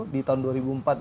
di tahun dua ribu empat